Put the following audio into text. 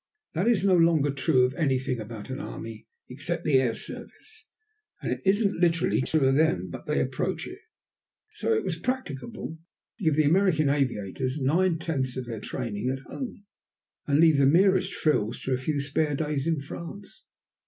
That is no longer true of anything about an army except the air service, and it isn't literally true of them. But they approach it. So it was practicable to give the American aviators nine tenths of their training at home, and leave the merest frills to a few spare days in France.